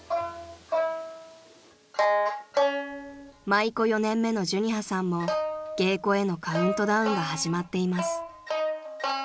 ［舞妓４年目の寿仁葉さんも芸妓へのカウントダウンが始まっています］